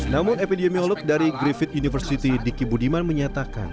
namun epidemiolog dari griffith university diki budiman menyatakan